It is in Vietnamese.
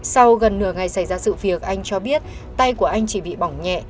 sau gần nửa ngày xảy ra sự việc anh cho biết tay của anh chỉ bị bỏng nhẹ